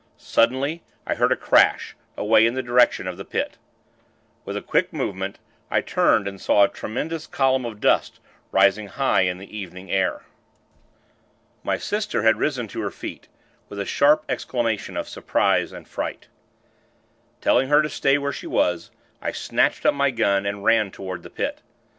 Suddenly, I heard a crash, away in the direction of the Pit. With a quick movement, I turned and saw a tremendous column of dust rising high into the evening air. My sister had risen to her feet, with a sharp exclamation of surprise and fright. Telling her to stay where she was, I snatched up my gun, and ran toward the Pit.